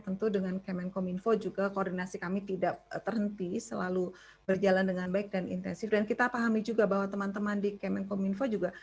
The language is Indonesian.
tentu dengan kemenkominfo juga koordinasi kami tidak terhenti selalu berjalan dengan baik dan intensif dan kita pahami juga bahwa teman teman di kemenkominfo juga